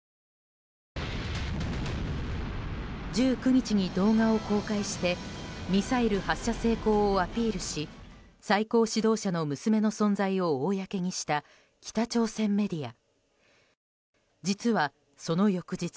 １９日に動画を公開してミサイル発射成功をアピールし最高指導者の娘の存在を公にした北朝鮮メディア。